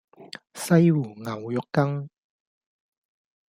西湖牛肉羹